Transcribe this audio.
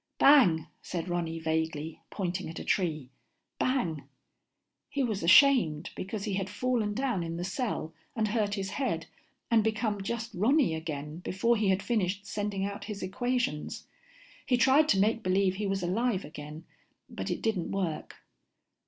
"Bang," said Ronny vaguely, pointing at a tree. "Bang." He was ashamed because he had fallen down in the cell and hurt his head and become just Ronny again before he had finished sending out his equations. He tried to make believe he was alive again, but it didn't work.